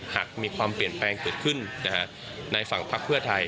หากมีความเปลี่ยนแปลงเกิดขึ้นในฝั่งพักเพื่อไทย